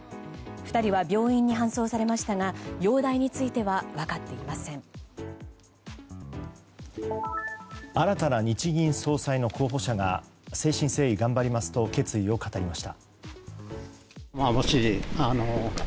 ２人は病院に搬送されましたが容体については新たな日銀総裁の候補者が誠心誠意頑張りますと決意を語りました。